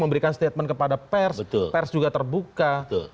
memberikan statement kepada pers pers juga terbuka